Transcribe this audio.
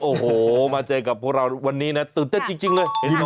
โอ้โหมาเจอกับพวกเราวันนี้นะตื่นเต้นจริงเลย